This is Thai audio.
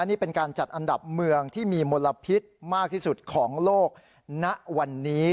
นี่เป็นการจัดอันดับเมืองที่มีมลพิษมากที่สุดของโลกณวันนี้